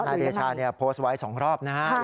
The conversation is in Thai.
นายเดชาโพสต์ไว้๒รอบนะฮะ